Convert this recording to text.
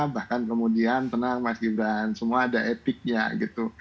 bahkan kemudian tenang mas gibran semua ada etiknya gitu